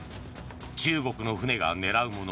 中国の船が狙うもの